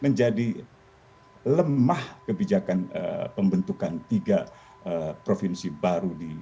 menjadi lemah kebijakan pembentukan tiga provinsi baru di